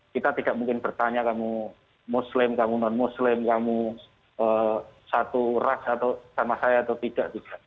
kita tidak mungkin bertanya kamu muslim kamu non muslim kamu satu ras atau sama saya atau tidak